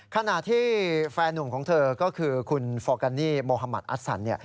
ขณะที่แฟนหนุ่มของเธอก็คือคุณฟอร์กันนี่โมฮามัติอัสสัน